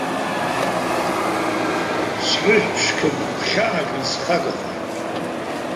Сҳәыҳә-ԥшқа, быгәхьааганы схагахоит!